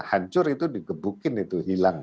hancur itu digebukkan itu